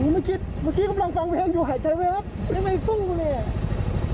เมื่อกี้กำลังฟังเพลงอยู่หายใจแล้วครับนี่ไอ้ฟุ้เนี่ย